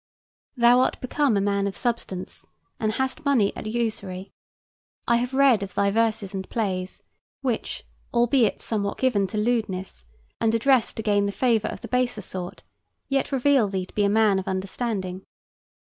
Thou art become a man of substance; and hast moneys at usury. I have read of thy verses and plays, which, albeit somewhat given to lewdness, and addressed to gain the favor of the baser sort, yet reveal thee to be a man of understanding.